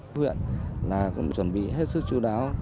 huyện là cũng chuẩn bị hết sức chú đáo